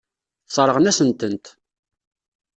Sseṛɣen-asen-tent.